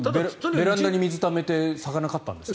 ベランダに水をためて魚を飼ったんですか？